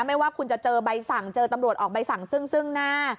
ไม่ว่าคุณจะเจอใบสั่งเจอตำรวจออกใบสั่งซึ่งหน้า